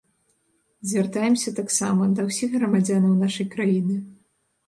Звяртаемся таксама да ўсіх грамадзянаў нашай краіны.